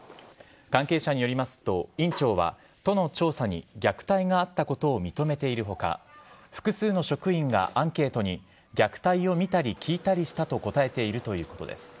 関係者によりますと、院長は都の調査に虐待があったことを認めているほか、複数の職員がアンケートに、虐待を見たり聞いたりしたと答えているということです。